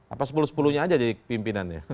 apa sepuluh sepuluhnya saja jadi pimpinan ya